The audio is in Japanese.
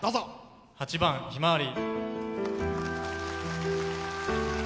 ８番「ひまわり」。